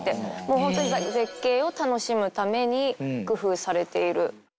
もう本当に絶景を楽しむために工夫されている。